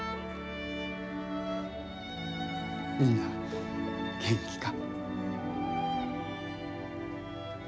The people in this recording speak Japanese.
みんな元気か？